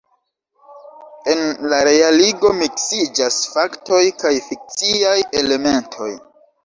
En la realigo miksiĝas faktoj kaj fikciaj elementoj.